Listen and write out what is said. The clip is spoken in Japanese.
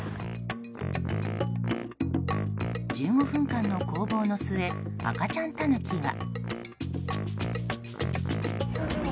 １５分間の攻防の末赤ちゃんタヌキは。